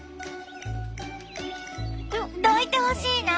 どいてほしいな。